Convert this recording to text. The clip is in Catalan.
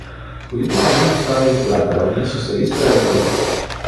Políticament estava vinculat a la Unió Socialista de Catalunya.